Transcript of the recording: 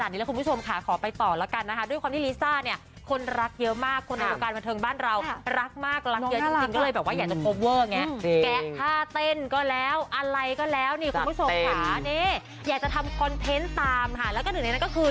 ที่ลิซ่ามาขนาดนี้แล้วคุณผู้ชมของไปต่อแล้วกันนะคะ